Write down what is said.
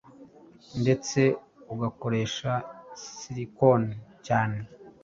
ndetse ugakoresha silikoni cyane